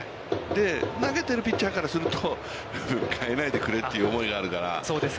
投げているピッチャーからすると、代えないでくれという思いがあるから。